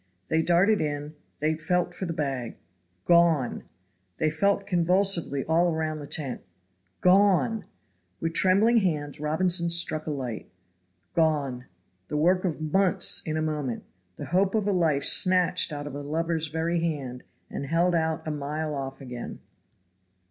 They darted in they felt for the bag. Gone! They felt convulsively all round the tent. Gone! With trembling hands Robinson struck a light. Gone the work of months in a moment the hope of a life snatched out of a lover's very hand, and held out a mile off again!